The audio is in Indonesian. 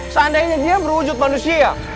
seandainya dia berwujud manusia